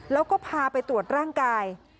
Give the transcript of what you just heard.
แล้วก็พาไปตรวจร่างกาย